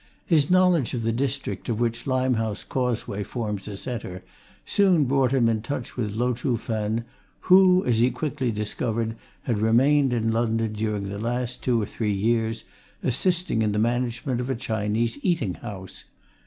His knowledge of the district of which Limehouse Causeway forms a centre soon brought him in touch with Lo Chuh Fen, who, as he quickly discovered, had remained in London during the last two or three years, assisting in the management of a Chinese eating house.